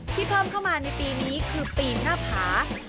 เพิ่มเข้ามาในปีนี้คือปีหน้าผา